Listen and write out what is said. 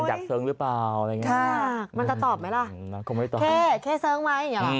มันจะเสิ้งหรือเปล่า